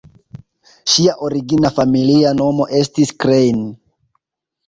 Ŝia origina familia nomo estis "Klein".